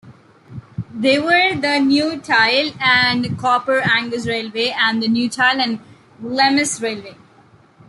They were the "Newtyle and Coupar Angus Railway" and the "Newtyle and Glammiss Railway".